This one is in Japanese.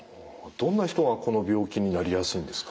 どんな人がこの病気になりやすいんですか？